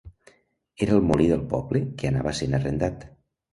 Era el molí del poble que anava sent arrendat.